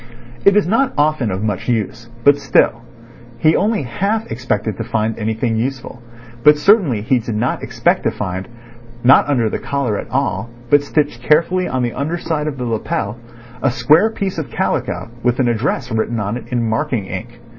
It is not often of much use, but still—He only half expected to find anything useful, but certainly he did not expect to find—not under the collar at all, but stitched carefully on the under side of the lapel—a square piece of calico with an address written on it in marking ink.